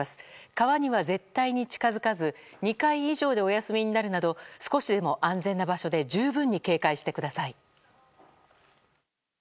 川には絶対に近づかず２階以上でお休みになるなど少しでも安全な場所で十分に警戒してください。